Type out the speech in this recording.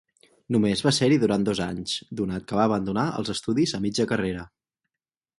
Només va ser-hi durant dos anys, donat que va abandonar els estudis a mitja carrera.